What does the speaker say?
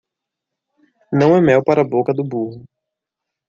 Não é mel para a boca do burro.